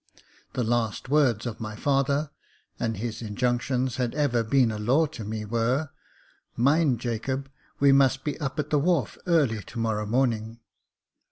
The last words of my father — and his injunctions had ever been a law to me — were, " Mind, Jacob, we must be up at the wharf early to morrow morning."